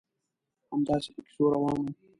همداسې په کیسو روان وو.